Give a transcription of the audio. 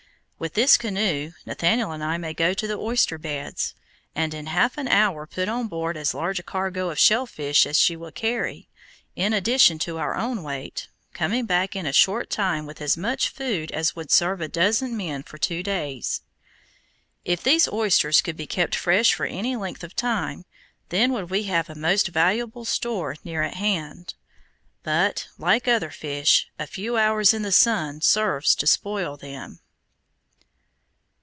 With this canoe Nathaniel and I may go to the oyster beds, and in half an hour put on board as large a cargo of shellfish as she will carry, in addition to our own weight, coming back in a short time with as much food as would serve a dozen men for two days. If these oysters could be kept fresh for any length of time, then would we have a most valuable store near at hand; but, like other fish, a few hours in the sun serves to spoil them.